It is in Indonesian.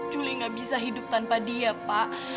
juli gak bisa hidup tanpa dia pak